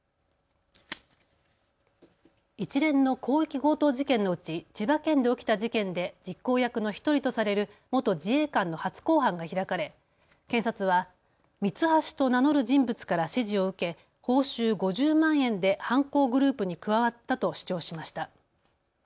一連の広域強盗事件のうち千葉県で起きた事件で実行役の１人とされる元自衛官の初公判が開かれ検察はミツハシと名乗る人物から指示を受け報酬５０万円で犯行グループに加わったと主張しました。